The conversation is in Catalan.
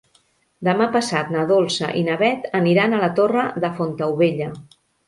Demà passat na Dolça i na Beth aniran a la Torre de Fontaubella.